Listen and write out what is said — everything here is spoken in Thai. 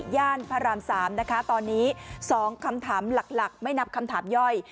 พระราม๓นะคะตอนนี้๒คำถามหลักไม่นับคำถามย่อย